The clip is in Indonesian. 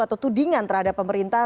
atau tudingan terhadap pemerintah